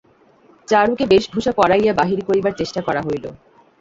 চারুকে বেশভূষা পরাইয়া বাহির করিবার চেষ্টা করা হইল।